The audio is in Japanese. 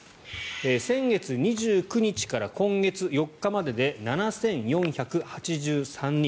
先月２９日から今月４日までで７４８３人。